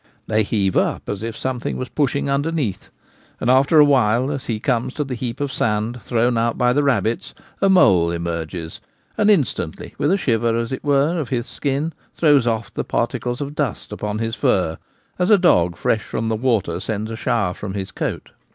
They heave up as 108 The Gamekeeper at Home. if something was pushing underneath ; and after a while, as he comes to the heap of sand thrown out by the rabbits, a mole emerges, and instantly with a shiver, as it were, of his skin throws off the particles of dust upon his fur as a dog fresh from the water sends a shower from his coat.